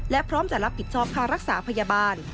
และพร้อมจะรับผิดชอบค่ารักษาพยาบาล